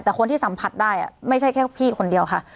แต่คนที่สัมผัสได้ไม่ใช่แค่พี่คนเดียวค่ะ